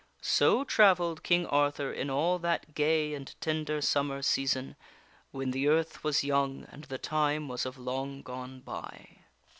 So travelled King Arthur in all that gay and tender sum mer season, when the earth was young and the time was of long gone by.